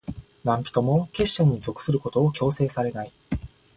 何人も、結社に属することを強制されない。